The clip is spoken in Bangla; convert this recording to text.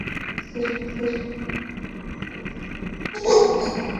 স্টেশন নির্মাণের বিষয়ে স্থায়ী সিদ্ধান্ত এলে নিয়মিত ময়লা সংগ্রহ করা হবে।